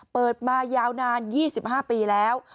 เปิดมายาวนาน๒๕ปีแล้ว